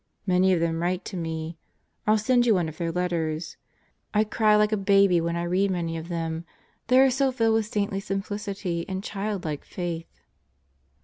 Many of them write to me. I'll send you one of their letters. I cry like a baby when I read many of them, they are so filled with saintly simplicity and childlike Faith.